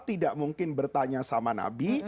tidak mungkin bertanya sama nabi